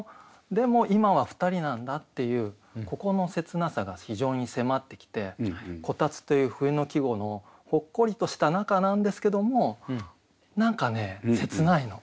でも今は２人なんだっていうここの切なさが非常に迫ってきて「炬燵」という冬の季語のほっこりとした中なんですけども何かね切ないの。